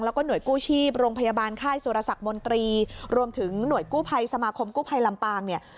แล้วก็หน่วยกู้ชีพโรงพยาบาลค่ายสุรสักมนตรีรวมถึงหน่วยกู้ภัยสมาคมกู้ภัยลำปางเนี่ย